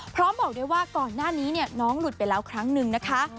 พร้อมบอกได้ว่าก่อนหน้านี้เนี่ยน้องหลุดไปแล้วครั้งหนึ่งนะคะ